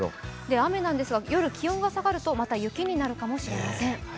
雨なんですが、夜、気温が下がるとまた雪になるかもしれません。